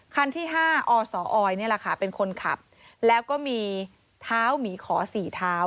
คันที่๕อสอเป็นคนขับแล้วก็มีเท้าหมี่ขอสี่เท้า